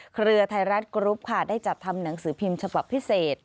เครือไทยรัฐกรุ๊ปค่ะได้จัดทำหนังสือพิมพ์ฉบับพิเศษ